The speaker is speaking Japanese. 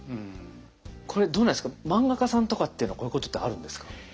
これどうなんですか漫画家さんとかっていうのはこういうことってあるんですか？